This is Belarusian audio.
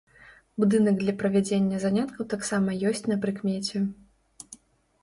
Будынак для правядзення заняткаў таксама ёсць на прыкмеце.